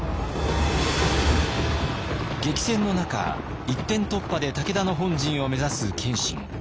激戦の中一点突破で武田の本陣を目指す謙信。